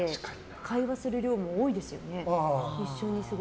会話する量も多いですよね。